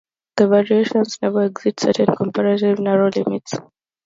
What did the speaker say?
The variations never exceed certain comparatively narrow limits.